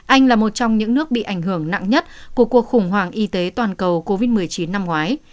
anh là một trong những nước bị ảnh hưởng nặng nhất của cuộc khủng hoảng y tế toàn cầu covid một mươi chín năm ngoái